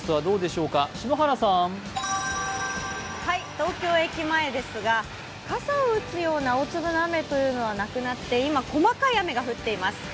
東京駅前ですが傘を打つような大粒の雨っていうのはなくなって、今細かい雨が降っています。